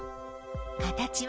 形は？